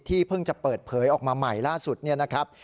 ที่เพิ่งจะเปิดเผยออกมาใหม่ล่าสุดนะครับ